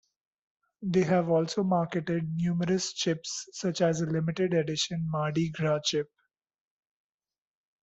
They have also marketed numerous chips such as a limited edition Mardi Gras chip.